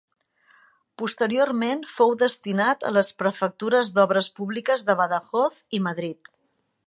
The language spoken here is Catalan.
Posteriorment fou destinat a les Prefectures d'Obres Públiques de Badajoz i Madrid.